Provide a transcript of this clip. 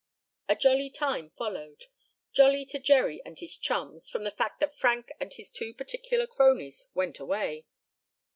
A jolly time followed; jolly to Jerry and his chums from the fact that Frank and his two particular cronies went away.